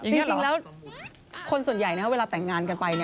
จริงแล้วคนส่วนใหญ่เวลาแต่งงานกันไป